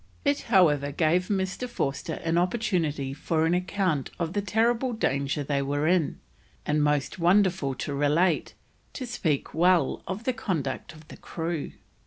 It, however, gave Mr. Forster an opportunity for an account of the terrible danger they were in, and, most wonderful to relate, to speak well of the conduct of the crew.